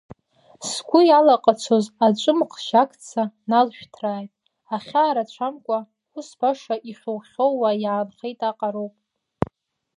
Сгәы иалаҟацоз аҵәымӷ жьакца налшәҭрааит, ахьаа рацәамкәа, ус баша ихьоухьоууа иаанхеит аҟароуп.